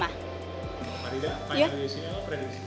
marida apa yang ada di sini